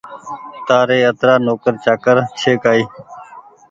تآريِ اَترآ نوڪر چآڪر ڇي ڪآئي